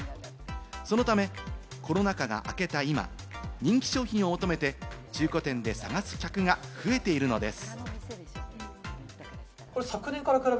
そのため、コロナ禍が明けた今、人気商品を求めて中古店で探す客が増えているのです。